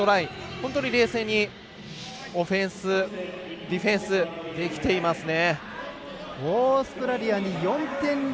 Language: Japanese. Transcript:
本当に冷静にオフェンスディフェンスできていますね。